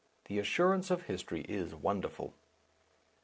The assurance of history is wonderful.